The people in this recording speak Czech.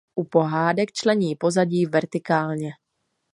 U Pohádek člení pozadí vertikálně.